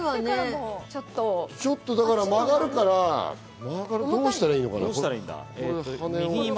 ちょっと曲がるからどうしたらいいのかな。